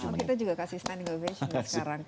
kita juga kasih standing ovation sekarang